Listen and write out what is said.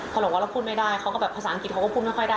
เขาบอกว่าเราพูดไม่ได้เขาก็แบบภาษาอังกฤษเขาก็พูดไม่ค่อยได้